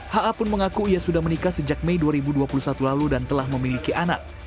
ha pun mengaku ia sudah menikah sejak mei dua ribu dua puluh satu lalu dan telah memiliki anak